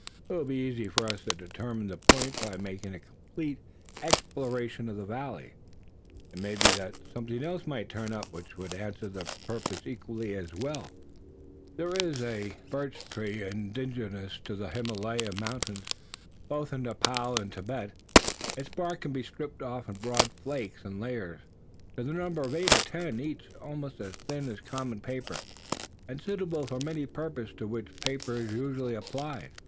It will be easy for us to determine the point, by making a complete exploration of the valley. It may be that something else might turn up which would answer the purpose equally as well. There is a birch tree indigenous to the Himalaya mountains, found both in Nepaul and Thibet. Its bark can be stripped off in broad flakes and layers, to the number of eight or ten each almost as thin as common paper, and suitable for many purposes to which paper is usually applied."